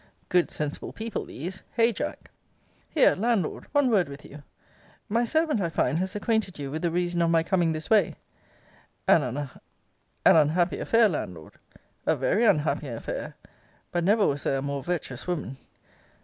Good sensible people these! Hey, Jack! Here, Landlord, one word with you. My servant, I find, has acquainted you with the reason of my coming this way. An unhappy affair, Landlord! A very unhappy affair! But never was there a more virtuous woman.